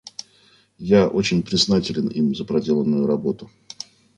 Я очень признателен им за проделанную работу.